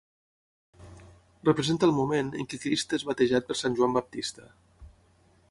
Representa el moment en què Crist és batejat per sant Joan Baptista.